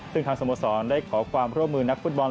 ซึ่งทางสโมสรได้ขอความร่วมมือนักฟุตบอล